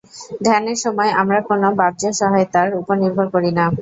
ধ্যানের সময় আমরা কোন বাহ্য সহায়তার উপর নির্ভর করি না।